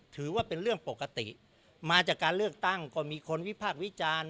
ถือว่าเป็นเรื่องปกติมาจากการเลือกตั้งก็มีคนวิพากษ์วิจารณ์